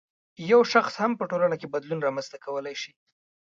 یو شخص هم په ټولنه کې بدلون رامنځته کولای شي.